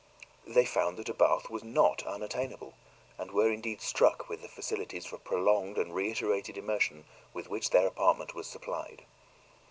They found that a bath was not unattainable, and were indeed struck with the facilities for prolonged and reiterated immersion with which their apartment was supplied.